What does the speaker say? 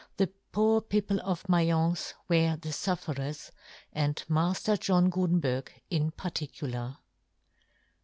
^ the poor people of Ma'ience were the fufferers, and Mafler John Gutenberg in particular.